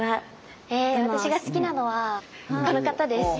私が好きなのはこの方です。